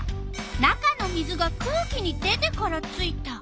「中の水が空気に出てからついた」。